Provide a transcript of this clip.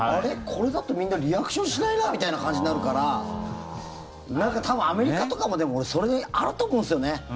これだとみんなリアクションしないなみたいな感じになるから多分アメリカとかもそれ、あると思うんですよね。